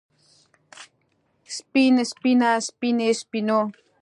سپين سپينه سپينې سپينو